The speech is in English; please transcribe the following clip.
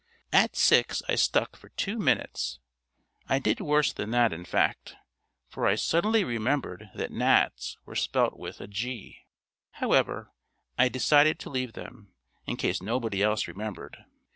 At six I stuck for two minutes. I did worse than that in fact; for I suddenly remembered that gnats were spelt with a G. However, I decided to leave them, in case nobody else remembered.